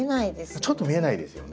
ちょっと見えないですよね。